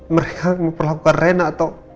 mereka memperlakukan rena atau